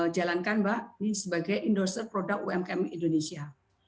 jalankan mbak ini sebagai endorser produk umkm indonesia